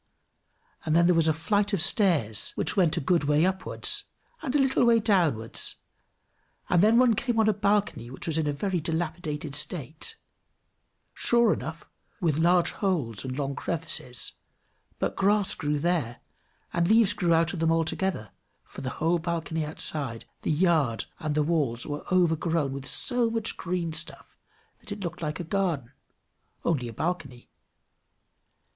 And then there was a flight of stairs which went a good way upwards, and a little way downwards, and then one came on a balcony which was in a very dilapidated state, sure enough, with large holes and long crevices, but grass grew there and leaves out of them altogether, for the whole balcony outside, the yard, and the walls, were overgrown with so much green stuff, that it looked like a garden; only a balcony.